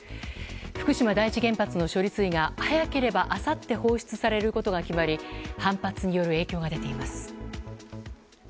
福島第一原発の処理水が早ければあさって放出されることが決まり反発による影響が出ています。